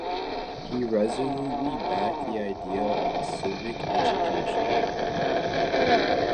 He resolutely backed the idea of civic education.